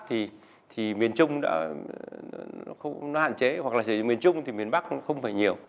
thì miền trung nó hạn chế hoặc là miền trung thì miền bắc không phải nhiều